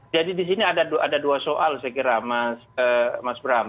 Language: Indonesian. di sini ada dua soal saya kira mas bram